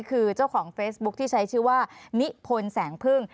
คือเจ้าของเฟซบุ๊คที่ใช้ชื่อว่านิพนธ์แสงพึ่ง